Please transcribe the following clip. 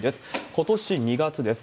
ことし２月です。